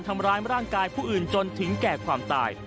ทำร้ายร่างกายผู้อื่นจนถึงแก่ความตาย